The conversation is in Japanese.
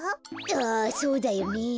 ああそうだよねえ。